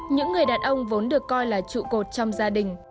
những người đàn ông vốn được coi là trụ cột trong gia đình